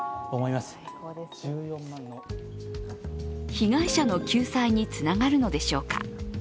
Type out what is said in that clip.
被害者の救済につながるのでしょうか。